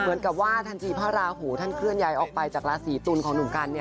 เหมือนกับว่าอาทันจีพราหูเวือนย้ายออกไปจากราศีตุลของ